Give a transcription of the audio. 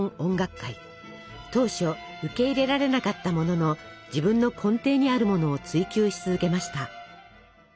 当初受け入れられなかったものの自分の根底にあるものを追求し続けました。